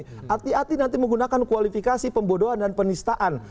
hati hati nanti menggunakan kualifikasi pembodoan dan penistaan